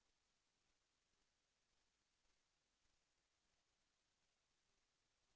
แสวได้ไงของเราก็เชียนนักอยู่ค่ะเป็นผู้ร่วมงานที่ดีมาก